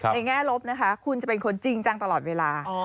แง่ลบนะคะคุณจะเป็นคนจริงจังตลอดเวลา